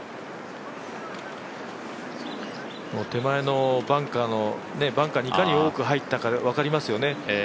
手前のバンカーにいかに多く入ったか、分かりますよね。